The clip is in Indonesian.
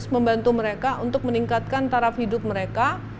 membantu mereka untuk meningkatkan taraf hidup mereka